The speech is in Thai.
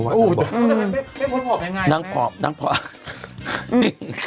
ทำไมไม่เพิ่งผอมยังไง